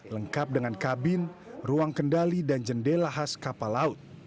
lengkap dengan kabin ruang kendali dan jendela khas kapal laut